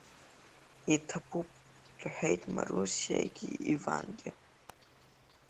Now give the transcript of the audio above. Иҭабуп, — рҳәеит Марусиагьы Ивангьы.